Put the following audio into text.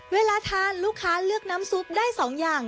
เวลาทานลูกค้าเลือกน้ำซุปได้๒อย่าง